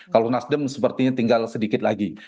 kalau nasdem sepertinya tinggal sedikit lagi